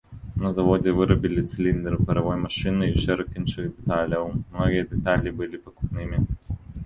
На заводзе вырабілі цыліндры паравой машыны і шэраг іншых дэталяў, многія дэталі былі пакупнымі.